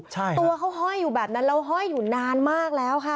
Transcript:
ใช่ตัวเขาห้อยอยู่แบบนั้นแล้วห้อยอยู่นานมากแล้วค่ะ